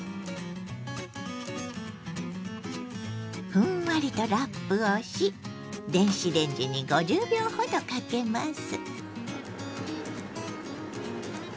ふんわりとラップをし電子レンジに５０秒ほどかけます。